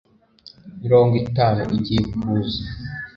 mirongwitanu igiye kuza